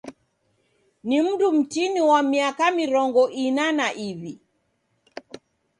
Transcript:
Ni mndu mtini wa miaka mirongo ina na iw'i.